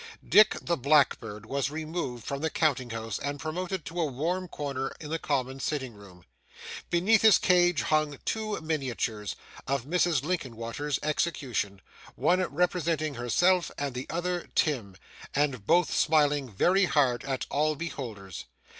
Dick, the blackbird, was removed from the counting house and promoted to a warm corner in the common sitting room. Beneath his cage hung two miniatures, of Mrs. Linkinwater's execution; one representing herself, and the other Tim; and both smiling very hard at all beholders.